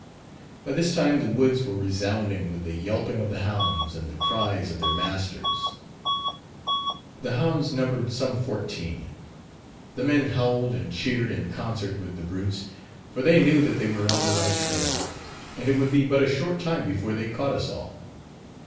By this time the woods were resounding with the yelping of the hounds and the cries of their masters. The hounds numbered some fourteen. The men howled and cheered in concert with the brutes, for they knew that they were on the right trail, and it would be but a short time before they caught us all.